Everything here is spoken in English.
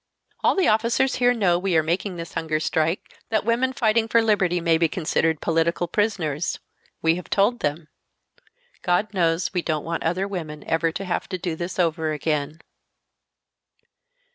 "All the officers here know we are making this hunger strike that women fighting for liberty may be considered political prisoners; we have told them. God knows we don't want other women ever to have to do this over again."